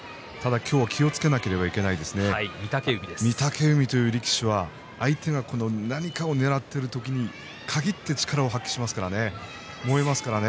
気をつけなければいけないのは御嶽海という力士は相手は何かをねらっている時に力を発揮しますから燃えますからね。